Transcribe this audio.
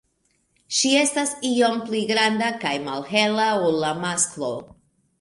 Ŝi estas iom pli granda kaj malhela ol la masklo.